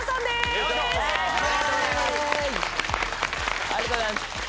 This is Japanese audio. よろしくお願いします。